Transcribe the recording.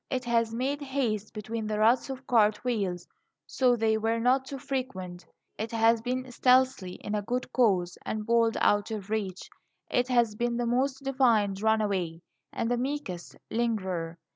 It has made haste between the ruts of cart wheels, so they were not too frequent. It has been stealthy in a good cause, and bold out of reach. It has been the most defiant runaway, and the meekest lingerer.